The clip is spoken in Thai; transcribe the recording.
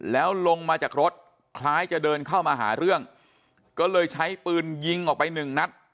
แล้วลงมาจากรถคล้ายจะเดินเข้ามาหาเรื่องก็เลยใช้ปืนยิงออกไปหนึ่งนัด